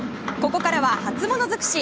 ここからは初物尽くし。